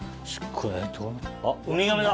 あっウミガメだ！